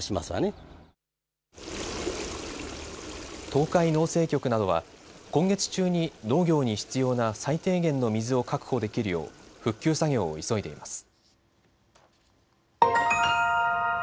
東海農政局などは今月中に農業に必要な最低限の水を確保できるよう復旧作業を急いでいます。